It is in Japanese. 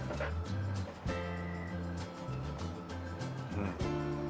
うん。